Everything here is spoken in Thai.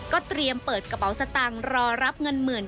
เตรียมเปิดกระเป๋าสตางค์รอรับเงินหมื่น